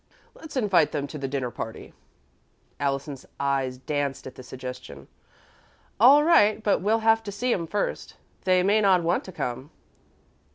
"Let's invite them to the dinner party." Allison's eyes danced at the suggestion. "All right, but we'll have to see 'em first. They may not want to come."